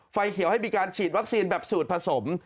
ไฟเขียวให้มีการฉีดวัคซีนแบบสูตรผสม